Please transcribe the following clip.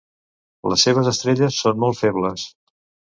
Les seves estrelles són molt febles.